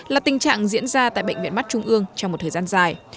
là tình trạng diễn ra tại bệnh viện mắt trung ương trong một thời gian dài